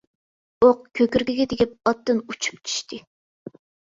ئوق كۆكرىكىگە تېگىپ ئاتتىن ئۇچۇپ چۈشتى.